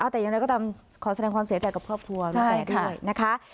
แต่ยังไงก็ตามขอแสดงความเสียใจกับครอบครัวนะคะ